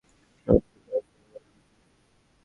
শশী বলিল, এই তো এলাম খনিক আগে।